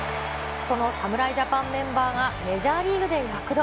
その侍ジャパンメンバーがメジャーリーグで躍動。